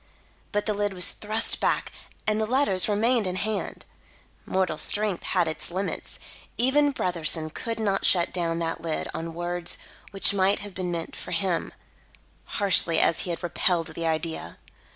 But the lid was thrust back, and the letters remained in hand. Mortal strength has its limits. Even Brotherson could not shut down that lid on words which might have been meant for him, harshly as he had repelled the idea.